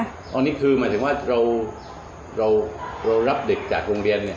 ตอนนี้คือหมายถึงว่าเรารับเด็กจากโรงเรียนเนี่ย